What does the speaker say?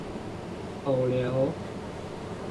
孔劉